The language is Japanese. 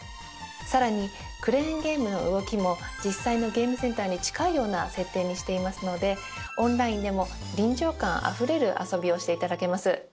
さらにクレーンゲームの動きも実際のゲームセンターに近いような設定にしていますのでオンラインでも臨場感あふれる遊びをして頂けます。